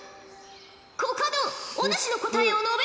コカドお主の答えを述べよ！